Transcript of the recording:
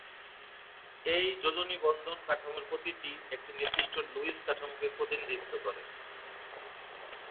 এই যোজনী বন্ধন কাঠামোর প্রতিটি একটি নির্দিষ্ট লুইস কাঠামোকে প্রতিনিধিত্ব করে।